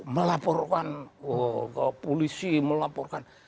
melaporkan polisi melaporkan